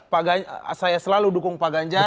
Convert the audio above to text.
pak ganjar saya selalu dukung pak ganjar